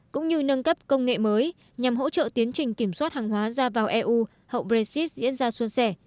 cũng như nâng cấp công nghệ mới nhằm hỗ trợ tiến trình kiểm soát hàng hóa ra vào eu hậu brexit diễn ra xuân sẻ